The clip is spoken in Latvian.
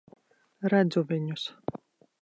Redzu viņus.